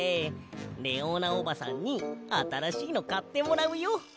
レオーナおばさんにあたらしいのかってもらうよ。